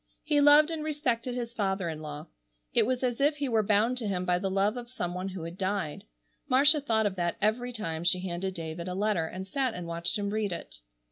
He loved and respected his father in law. It was as if he were bound to him by the love of some one who had died. Marcia thought of that every time she handed David a letter, and sat and watched him read it.